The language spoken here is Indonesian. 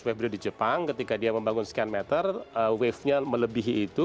web brick di jepang ketika dia membangun scan meter wavenya melebihi itu